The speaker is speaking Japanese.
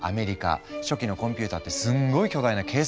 初期のコンピューターってすんごい巨大な計算機だったんだ。